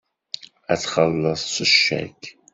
Ad txelleṣ s ccak.